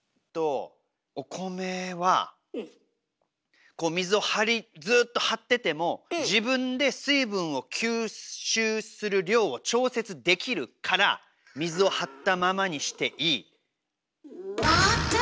お米は水をずっと張ってても自分で水分を吸収する量を調節できるから水を張ったままにしていい。